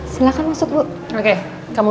sini belum apa apa